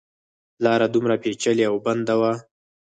لاره دومره پېچلې او بنده وه.